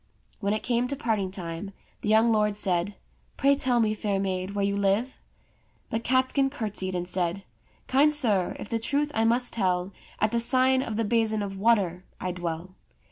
When it came to parting time, the young lord said, " Pray tell me, fair maid, where you live ?" But Catskin curtsied and said : "Kind sir, if the truth I must tell, At the sign of the 'Basin of Water' I dwell."